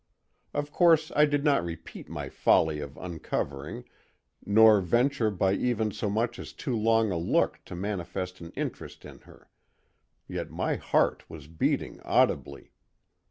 Of course I did not repeat my folly of uncovering, nor venture by even so much as too long a look to manifest an interest in her; yet my heart was beating audibly.